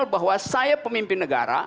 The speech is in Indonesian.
bahwa saya pemimpin negara